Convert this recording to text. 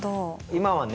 今はね